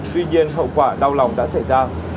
tuy nhiên hậu quả đau lòng đã xảy ra